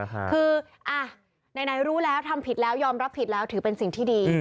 คือไหนรู้แล้วทำผิดแล้วยอมรับผิดแล้วถือเป็นสิ่งที่ดี